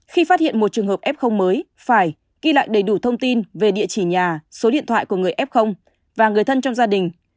khi phát hiện một trường hợp f mới phải ghi lại đầy đủ thông tin về địa chỉ nhà số điện thoại của người f và người thân trong gia đình